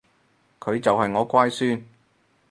佢就係我乖孫